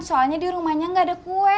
soalnya di rumahnya nggak ada kue